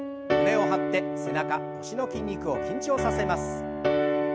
胸を張って背中腰の筋肉を緊張させます。